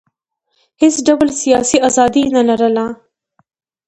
هېڅ ډول سیاسي ازادي یې نه لرله.